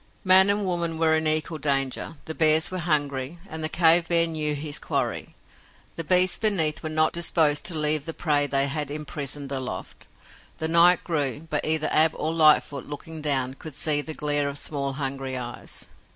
Man and woman were in equal danger. The bears were hungry and the cave bear knew his quarry. The beasts beneath were not disposed to leave the prey they had imprisoned aloft. The night grew, but either Ab or Lightfoot, looking down, could see the glare of small, hungry eyes.